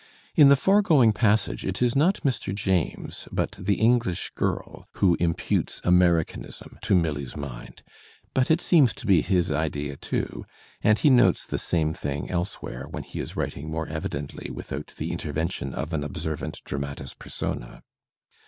In the foregoing passage it is not Mr. James but the English girl who imputes Americanism to Milly's mind. But it seems to be his idea too, and he notes the same thing else where when he is writing more evidently without the inter vention of an observant dramatis persona.